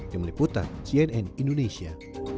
demi liputan cnn indonesia